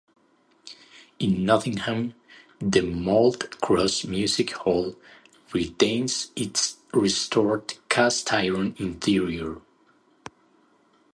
In Nottingham, the Malt Cross music hall retains its restored cast-iron interior.